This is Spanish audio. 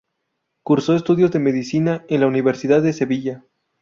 Cursó estudios de Medicina en la Universidad de Sevilla.